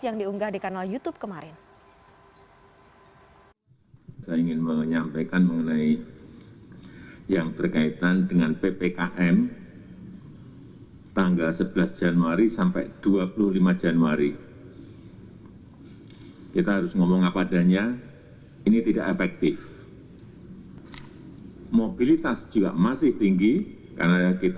yang diunggah di kanal youtube kemarin